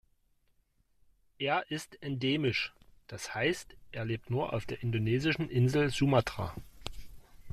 Er ist "endemisch", das heißt, er lebt nur auf der indonesischen Insel Sumatra.